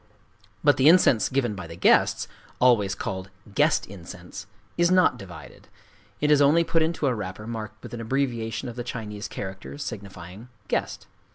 But the incense given by the guests,—always called "guest incense"—is not divided: it is only put into a wrapper marked with an abbreviation of the Chinese character signifying "guest."